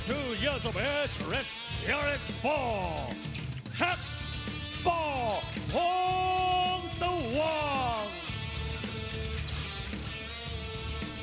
ทุกคนทุกคน